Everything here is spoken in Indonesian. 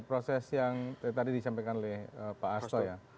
proses yang tadi disampaikan oleh pak asto ya